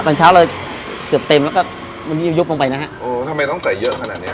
ตอนเช้าเราเกือบเต็มแล้วก็มันยิบยุบลงไปนะฮะโอ้ทำไมต้องใส่เยอะขนาดเนี้ย